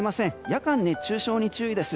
夜間、熱中症に注意です。